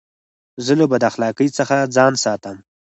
زه له بداخلاقۍ څخه ځان ساتم.